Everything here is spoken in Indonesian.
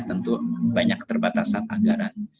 tentu banyak keterbatasan anggaran